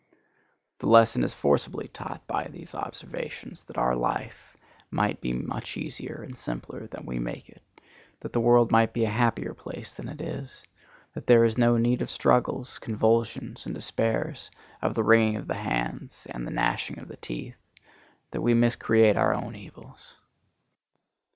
The lesson is forcibly taught by these observations that our life might be much easier and simpler than we make it; that the world might be a happier place than it is; that there is no need of struggles, convulsions, and despairs, of the wringing of the hands and the gnashing of the teeth; that we miscreate our own evils.